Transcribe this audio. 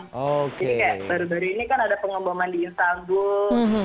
jadi kayak baru baru ini kan ada pengembangan di istanbul